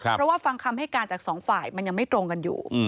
เพราะว่าฟังคำให้การจากสองฝ่ายมันยังไม่ตรงกันอยู่